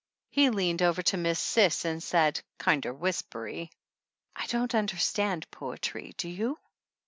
He leaned over to Miss Cis and said, kinder whispery : "I don't understand poetry, do you